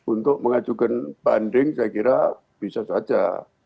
untuk mengajukan banding saya kira bisa saja